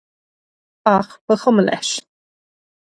Ach ba chuma leis.